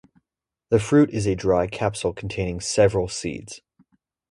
The fruit is a dry capsule containing several seeds.